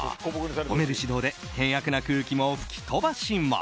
褒める指導で険悪な空気も吹き飛ばします。